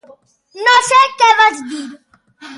No sé què vaig dir.